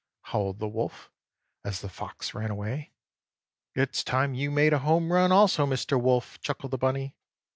howled the Wolf, as the Fox ran away. "It's time you made a home run also, Mr. Wolf!" chuckled the bunny.